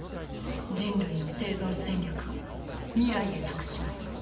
人類の生存戦略を未来へ託します。